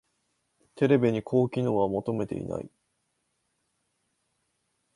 テレビに高機能は求めてない